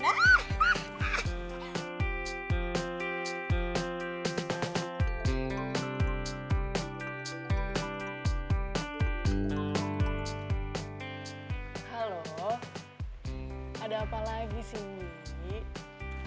halo ada apa lagi sih